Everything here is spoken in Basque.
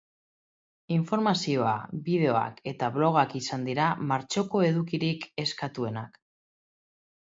Informazioa, bideoak eta blogak izan dira martxoko edukirik eskatuenak.